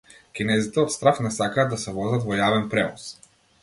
Кинезите од страв не сакаат да се возат во јавен превоз